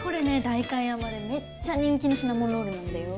代官山でめっちゃ人気のシナモンロールなんだよ